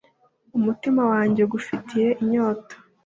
umutima wanjye ugufitiye inyota